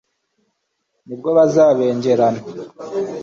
ni bwo bazabengerana